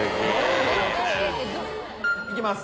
いきます。